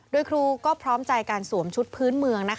โดยครูก็พร้อมใจการสวมชุดพื้นเมือง